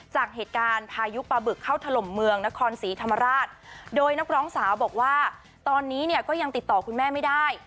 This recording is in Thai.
จากเหตุการณ์พายุปลาบึกเข้าถล่มเมืองนครศรีธรรมราชโดยนักร้องสาวบอกว่าตอนนี้เนี่ยก็ยังติดต่อคุณแม่ไม่ได้